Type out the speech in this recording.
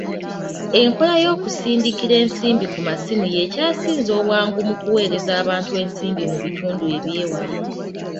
Enkola y'okusindikira ensimbi ku masimu y'ekyasinze obwangu mu kuweereza abantu ensimbi mu bitundu eby'ewala.